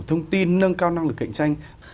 thông tin nâng cao năng lực cạnh tranh